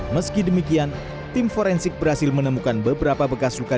meski demikian tim forensik berhasil menemukan beberapa bekas luka